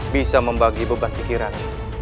bisa membagi beban pikiran